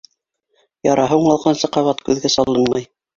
Яраһы уңалғансы ҡабат күҙгә салынмай.